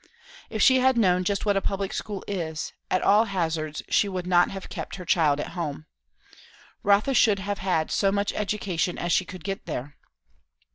If she had known just what a public school is, at all hazards she would not have kept her child at home; Rotha should have had so much education as she could get there.